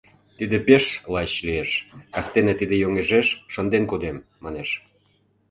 — Тиде пеш лач лиеш, кастене тиде йоҥежеш шынден кодем, — манеш.